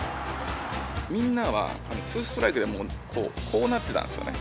みんなはツーストライクもうこうなってたんですよね。